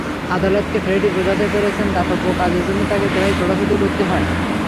আদালতকে ফ্রেডি বোঝাতে পেরেছেন দাতব্য কাজের জন্য তাঁকে প্রায়ই ছোটাছুটি করতে হয়।